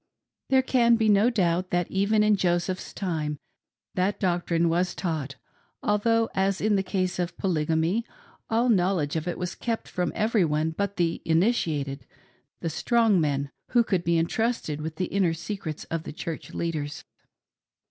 There can be no doubt that, even in Joseph's time, that doctrine was taught, although, as in the case of Polygamy, all knowledge of it was kept from every one but the initiated — the "strong men " who could be entrusted with the inner secrets of the Church leaders.